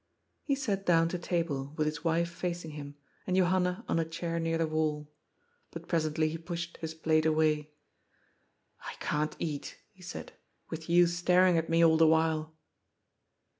He sat down to table, with his wife facing him, and Johanna on a chair near the wall. But presently he pushed his plate away. " I can't eat," he said, " with you staring at me all the while."